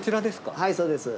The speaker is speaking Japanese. はいそうです。